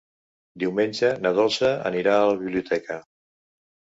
Diumenge na Dolça anirà a la biblioteca.